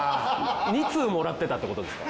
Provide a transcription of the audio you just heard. ２通もらってたって事ですか？